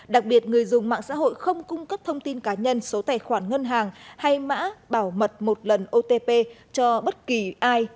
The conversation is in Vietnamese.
đặc biệt người dùng mạng xã hội không cung cấp thông tin cá nhân số tài khoản ngân hàng hay mã bảo mật một lần otp cho bất kỳ ai